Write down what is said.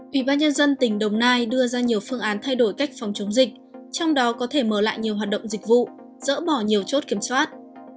ủy ban nhân dân tỉnh đồng nai đưa ra nhiều phương án thay đổi cách phòng chống dịch trong đó có thể mở lại nhiều hoạt động dịch vụ dỡ bỏ nhiều chốt kiểm soát